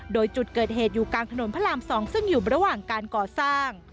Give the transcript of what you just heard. โดยจุดเกิดเหตุอยู่กลางถนนพระราม๒ซึ่งอยู่ระหว่างการก่อสร้าง